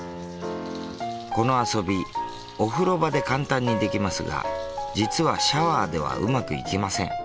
この遊びお風呂場で簡単にできますが実はシャワーではうまくいきません。